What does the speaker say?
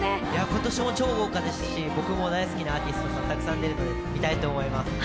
今年も超豪華ですし、僕も大好きなアーティストさん出ているので見たいと思います。